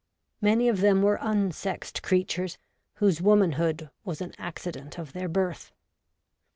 Many of them were unsexed creatures whose womanhood was an accident of their birth.